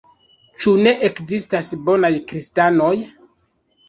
Ĉu ne ekzistas bonaj kristanoj?